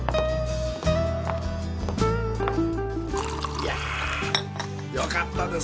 いやぁよかったですな。